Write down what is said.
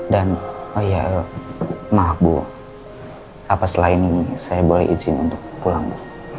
dan ya maaf bu apa selain ini saya boleh izin untuk pulang